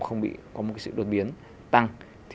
không bị có một sự đột biến tăng